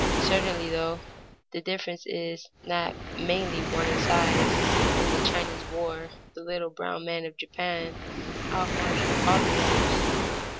Certainly, though, the difference is not mainly one in size; in the Chinese War the little brown men of Japan outmarched all the others.